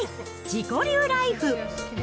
自己流ライフ。